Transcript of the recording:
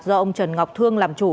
do ông trần ngọc thương làm chủ